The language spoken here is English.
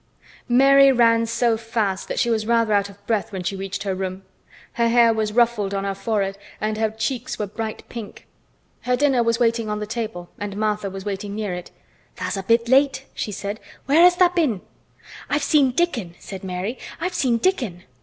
Mary ran so fast that she was rather out of breath when she reached her room. Her hair was ruffled on her forehead and her cheeks were bright pink. Her dinner was waiting on the table, and Martha was waiting near it. "Tha's a bit late," she said. "Where has tha' been?" "I've seen Dickon!" said Mary. "I've seen Dickon!"